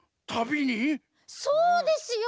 そうですよ！